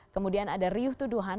kemudian ada riuh tuduhan